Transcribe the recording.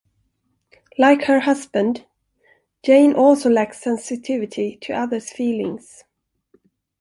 Like her husband, Jane also lacks sensitivity to other's feelings.